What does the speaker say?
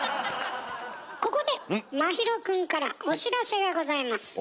ここで真宙くんからお知らせがございます。